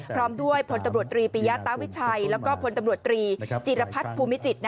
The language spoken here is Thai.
พร้อมด้วยพลตำรวจตรีปียะตาวิชัยแล้วก็พลตำรวจตรีจีรพัฒน์ภูมิจิต